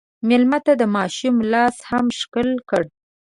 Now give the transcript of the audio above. مېلمه ته د ماشوم لاس هم ښکل کړه.